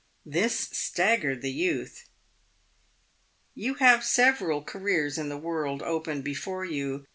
This staggered the youth. "You have several careers in the world open before you.